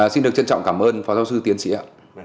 xin được trân trọng cảm ơn phó giáo sư tiến sĩ ạ